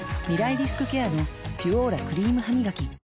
リスクケアの「ピュオーラ」クリームハミガキ